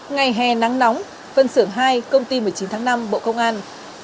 ngày hè nắng nóng phân xưởng hai công ty một mươi chín tháng năm bộ công an